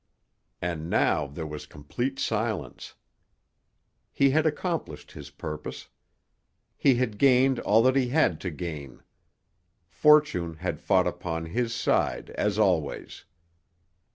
And now there was complete silence. He had accomplished his purpose. He had gained all that he had to gain. Fortune had fought upon his side, as always.